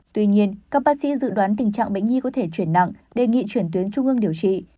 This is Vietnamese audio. tuy nhiên các bác sĩ dự đoán tình trạng bệnh nhi có thể chuyển nặng đề nghị chuyển tuyến trung ương điều trị